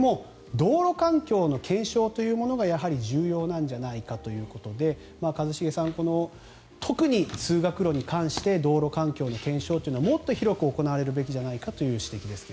道路環境の検証というものがやはり重要なんじゃないかということで一茂さん、特に通学路に関して道路環境の検証はもっと広く行われるべきだという指摘ですが。